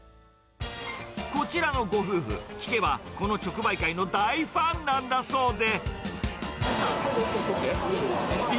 こちらのご夫婦、聞けばこの直売会の大ファンなんだそうで。